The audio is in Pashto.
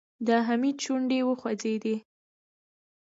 د حميد شونډې وخوځېدې.